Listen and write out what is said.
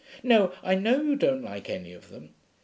No, I know you don't like any of them.